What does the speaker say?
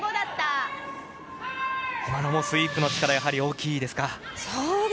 今のもスイープの力、やはり大きいですか。